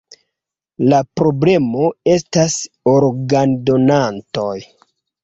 La problemo estas organdonantoj.